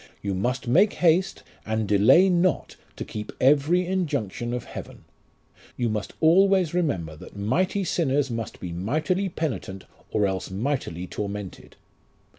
You must make haste and delay not to keep every injunction of heaven. You must always remember that mighty sinners must be mightily penitent or else mightily tormented.